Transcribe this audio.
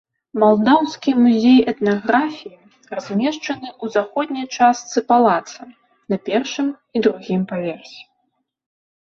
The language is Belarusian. Малдаўскі музей этнаграфіі размешчаны ў заходняй частцы палаца, на першым і другім паверсе.